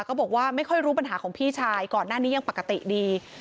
บอกว่าไม่ค่อยรู้ปัญหาของพี่ชายก่อนหน้านี้ยังปกติดี